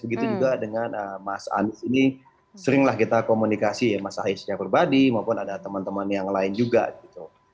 begitu juga dengan mas anies ini seringlah kita komunikasi ya mas ahy secara pribadi maupun ada teman teman yang lain juga gitu